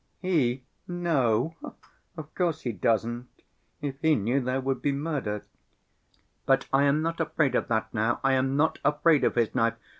"He know! Of course he doesn't. If he knew, there would be murder. But I am not afraid of that now, I am not afraid of his knife.